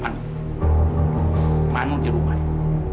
mano mano di rumah itu